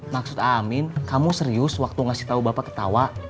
maksud amin kamu serius waktu ngasih tahu bapak ketawa